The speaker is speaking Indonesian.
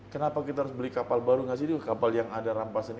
kenapa kita harus beli kapal baru ngasih dulu kapal yang ada rampasan